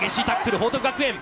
報徳学園。